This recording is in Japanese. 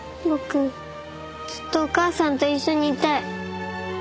僕ずっとお母さんと一緒にいたい。